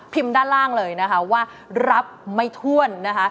ด้านล่างเลยนะคะว่ารับไม่ถ้วนนะคะ